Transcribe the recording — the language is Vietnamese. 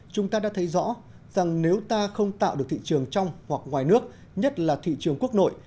chúng ta đã thấy rõ rằng nếu ta không tạo được thị trường trong hoặc ngoài nước nhất là thị trường quốc nội